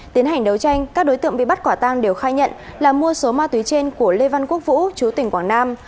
tiến hành đấu tranh các đối tượng bị bắt quả tang đều khai nhận là mua số ma túy trên của lê văn quốc vũ chú tỉnh quảng nam